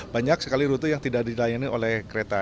banyak sekali rute yang tidak dilayani oleh kereta